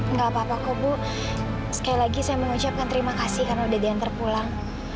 enggak apa apa kok bu sekali lagi saya mengucapkan terima kasih karena udah diantar pulang